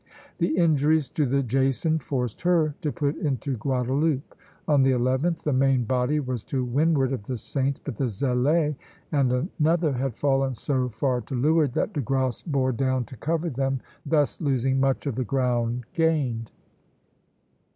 The injuries to the "Jason" forced her to put into Guadeloupe. On the 11th the main body was to windward of the Saints, but the "Zélé" and another had fallen so far to leeward that De Grasse bore down to cover them, thus losing much of the ground gained.